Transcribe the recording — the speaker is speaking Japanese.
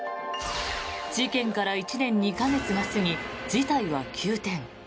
事件から１年２か月が過ぎ事態は急転。